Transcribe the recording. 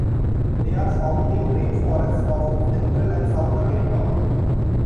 They are found in rainforests of Central and South America.